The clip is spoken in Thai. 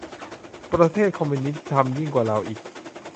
ประเทศคอมมิวนิสต์ทำยิ่งกว่าเราอีก